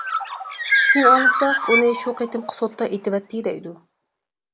كېيىن ئاڭلىساق، ئۇنى شۇ قېتىمقى سوتتا ئېتىۋەتتى، دەيدۇ.